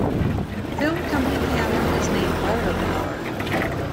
Film company Cannon is named Firepower.